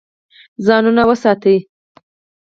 ځانونه وساتئ.